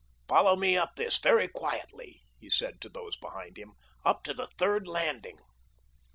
"Follow me up this, very quietly," he said to those behind him. "Up to the third landing."